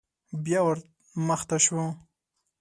بيا ور مخته شو.